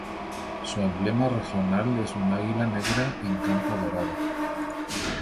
Su emblema regional es un águila negra en campo dorado.